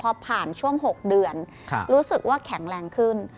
พอผ่านช่วง๖เดือนรู้สึกว่าแข็งแรงขึ้น